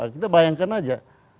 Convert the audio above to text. kita bayangkan aja